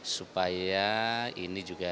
supaya ini juga